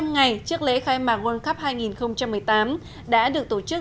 một trăm linh ngày trước lễ khai mạc world cup hai nghìn một mươi tám đã được tổ chức